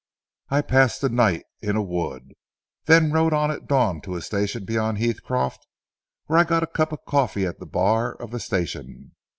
I passed the night in a wood, then rode on at dawn to a station beyond Heathcroft, where I got a cup of coffee at the bar of the station.